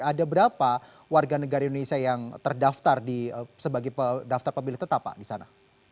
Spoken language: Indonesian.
ada berapa warga negara indonesia yang terdaftar sebagai daftar pemilih tetap pak di sana